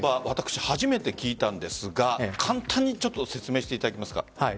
私、初めて聞いたんですが簡単に説明していただけますか？